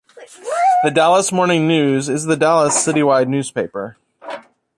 "The Dallas Morning News" is the Dallas citywide newspaper.